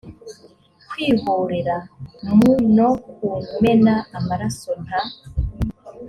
kwihorera m no kumena amaraso nta